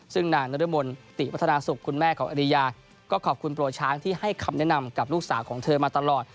ซึ่งนางนรมนติวัฒนาสุขคุณแม่ของอริยาก็ขอบคุณโปรช้างที่ให้คำแนะนำกับลูกสาวของเธอมาตลอด